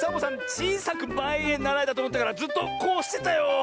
ちいさくまえへならえだとおもったからずっとこうしてたよ。